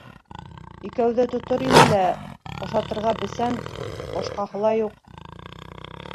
Икәүҙе тотор ине лә, ашатырға бесән, башҡаһы ла юҡ.